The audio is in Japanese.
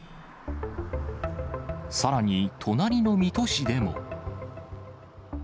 さらに、隣の水戸市でも。